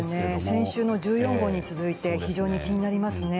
先週の１４号に続き非常に気になりますね。